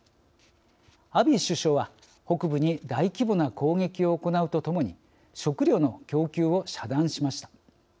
アビー首相は北部に大規模な攻撃を行うとともに食料の供給を遮断しました。